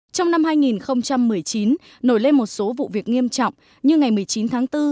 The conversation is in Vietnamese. trong năm hai nghìn một mươi chín nổi lên một số vụ việc nghiêm trọng như ngày một mươi chín tháng bốn